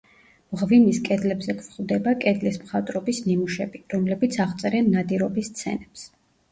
მღვიმის კედლებზე გვხვდება კედლის მხატვრობის ნიმუშები, რომლებიც აღწერენ ნადირობის სცენებს.